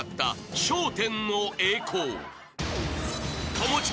［友近。